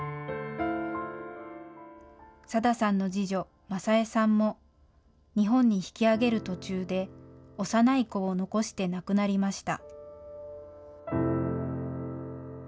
さださんの次女、昌枝さんも日本に引き揚げる途中で、幼い子を残して亡くなりました。